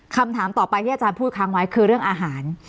คำถามต่อไปที่อาจารย์พูดค้างไว้คือเรื่องอาหาร